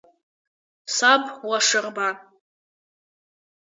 Саб Лашарба!